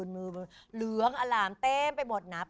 เหลืองอะหลามเต็มไปหมดนับ